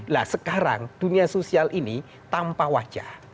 nah sekarang dunia sosial ini tanpa wajah